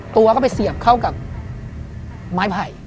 ตัวก็ไปเสียบเข้ากับไม้ไผ่